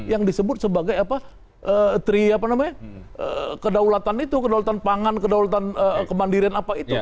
yang disebut sebagai kedaulatan itu kedaulatan pangan kedaulatan kemandirian apa itu